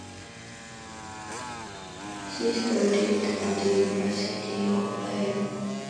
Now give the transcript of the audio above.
She studied at University of Lyon.